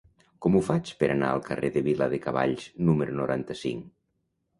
Com ho faig per anar al carrer de Viladecavalls número noranta-cinc?